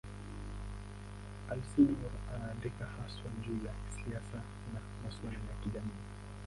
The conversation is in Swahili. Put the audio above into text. Alcindor anaandikwa haswa juu ya siasa na masuala ya kijamii.